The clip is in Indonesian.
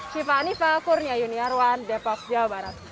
siva anifa kurnia yuniarwan depok jawa barat